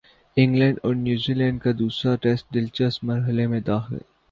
England اور New Zealand دوسرا test دلچسپ مرحلے میں داخل